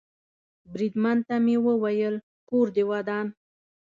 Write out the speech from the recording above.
بریدمن ته مې وویل: کور دې ودان.